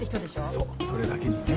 そうそれだけにね。